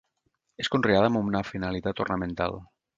És conreada amb una finalitat ornamental.